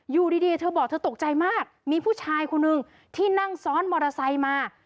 อยู่ดีเธอบอกเธอตกใจมากมีผู้ชายคนนึงที่นั่งซ้อนมอเตอร์ไซค์มา